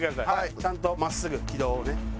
ちゃんと真っすぐ軌道をね。